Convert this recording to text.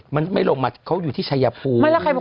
มันไม่ลงมาเขาอยู่ที่ชายภูมิ